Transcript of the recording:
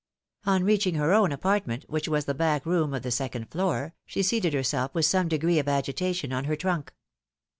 On reaching her own apartment, which was the back room of the second floor, she seated herself with some degree of agitation on her trunk.